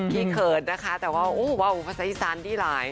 พี่เขินนะคะแต่ว่าโอ้วภาษาอีสานดีร้าย